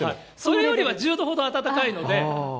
それよりは１０度ほど暖かいので。